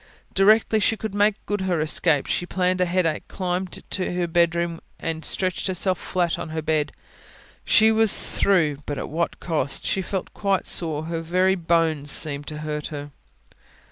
Directly she could make good her escape, she pleaded a headache, climbed to her bedroom and stretched herself flat on her bed. She was through but at what a cost! She felt quite sore. Her very bones seemed to hurt her.